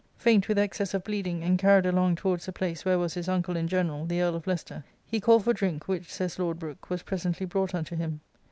Faint with excess of bleeding, and carried along towards the place where was his uncle and general, the Earl of Leicester, he called for drink, " which," says Lord Brooke, " was presently brought unto him."